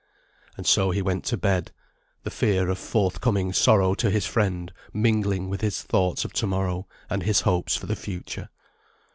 ] And so he went to bed, the fear of forthcoming sorrow to his friend mingling with his thoughts of to morrow, and his hopes for the future.